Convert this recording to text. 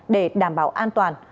để đảm bảo an toàn